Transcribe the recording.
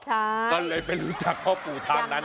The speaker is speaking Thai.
ก็เลยไปรู้จักพ่อปู่ทางนั้น